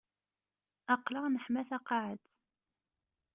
Aql-aɣ neḥma taqaɛet.